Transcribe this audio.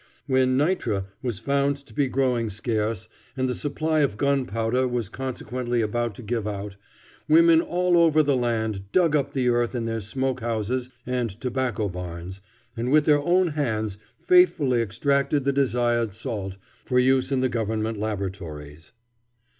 When nitre was found to be growing scarce, and the supply of gunpowder was consequently about to give out, women all over the land dug up the earth in their smoke houses and tobacco barns, and with their own hands faithfully extracted the desired salt, for use in the government laboratories.